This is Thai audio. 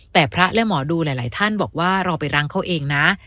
แต่พระและหมอดูหลายท่านบอกว่าเราไปรังเขาเองนะ